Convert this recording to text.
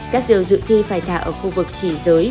các diều dự thi phải thả ở khu vực chỉ giới